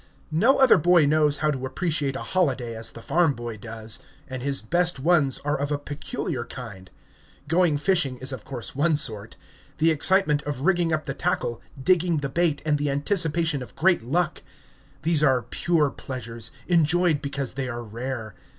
No other boy knows how to appreciate a holiday as the farm boy does; and his best ones are of a peculiar kind. Going fishing is of course one sort. The excitement of rigging up the tackle, digging the bait, and the anticipation of great luck! These are pure pleasures, enjoyed because they are rare.